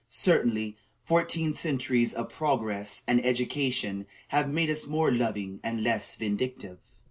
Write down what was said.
Certainly, fourteen centuries of progress and education have made us more loving and less vindictive.